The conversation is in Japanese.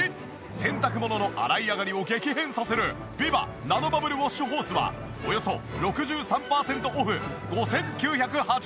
洗濯物の洗い上がりを激変させるビバナノバブルウォッシュホースはおよそ６３パーセントオフ５９８０円！